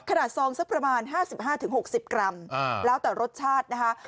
ซองสักประมาณ๕๕๖๐กรัมแล้วแต่รสชาตินะคะ